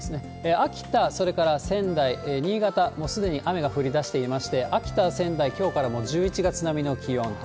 秋田、それから仙台、新潟もすでに雨が降りだしていまして、秋田、仙台、きょうからもう１１月並みの気温と。